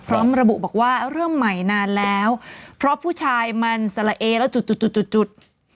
พร้อมระบุบอกว่าเริ่มใหม่นานแล้วเพราะผู้ชายมันสละเอแล้วจุดจุดจุด